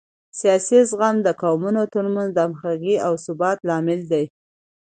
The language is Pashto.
سیاسي زغم د قومونو ترمنځ د همغږۍ او ثبات لامل دی